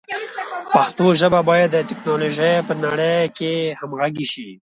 پښتو ژبه باید د ټکنالوژۍ په نړۍ کې همغږي شي.